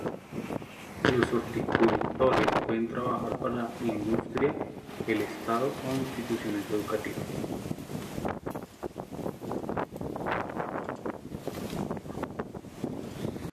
Los horticultores pueden trabajar para la industria, el Estado o instituciones educativas.